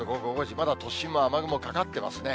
まだ都心も雨雲かかってますね。